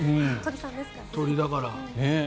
鳥だから。